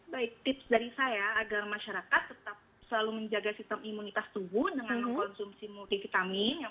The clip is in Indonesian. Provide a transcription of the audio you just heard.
baik tips dari saya agar masyarakat tetap selalu menjaga sistem imunitas tubuh dengan mengkonsumsi multivitamin